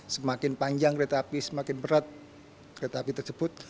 semakin panjang kereta api semakin berat kereta api tersebut